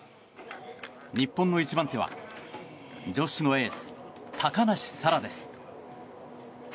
日本の１番手は女子のエース高梨沙羅です。